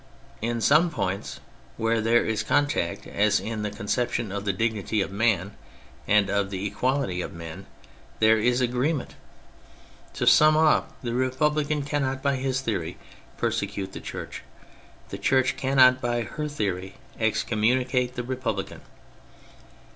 In some points, where there is contact (as in the conception of the dignity of man and of the equality of men) there is agreement. To sum up, the Republican cannot by his theory persecute the Church; the Church cannot by her theory excommunicate the Republican.